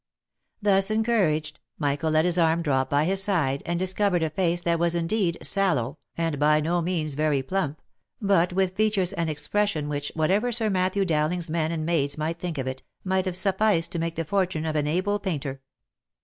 Thus encouraged, Michael let his arm drop by his side, and dis covered a face that was indeed sallow, and by no means very plump, but with features and expression which, whatever Sir Mat thew Dowling's men and maids might think of it, might have suf ficed to make the fortune of an able painter.